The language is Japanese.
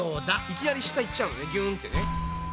いきなり下行っちゃうのねびゅんってね。